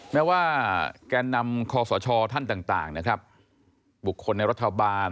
แม้ว่าแกนำคศท่านต่างบุคคลในรัฐบาล